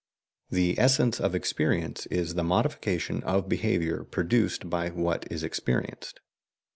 The essence of "experience" is the modification of behaviour produced by what is experienced.